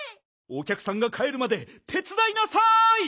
おきゃくさんがかえるまで手つだいなさい！